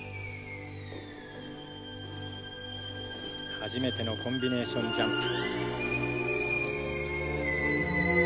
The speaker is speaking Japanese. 初めてのコンビネーションジャンプ。